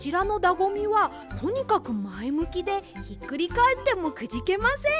ごみはとにかくまえむきでひっくりかえってもくじけません。